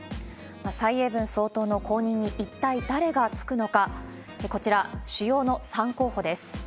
蔡英文総統の後任に一体誰が就くのか、こちら主要の３候補です。